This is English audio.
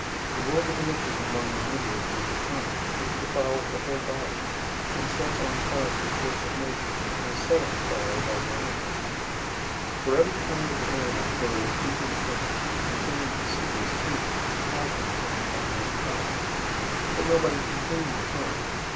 The world of iniquity among our members is the tongue, which defiles the whole body, and sets on fire the course of nature, and is set on fire by Gehenna.{or, Hell} 003:007 For every kind of animal, bird, creeping thing, and thing in the sea, is tamed, and has been tamed by mankind. 003:008 But nobody can tame the tongue.